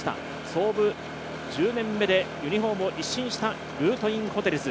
創部１０年目でユニフォームを一新したルートインホテルズ。